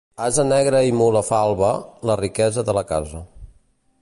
Ase negre i mula falba, la riquesa de la casa.